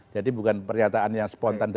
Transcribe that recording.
jadi bukan pernyataan yang spontan